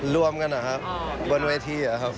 รวมกันหรอครับบนเวที่หรอครับ